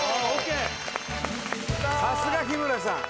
さすが日村さん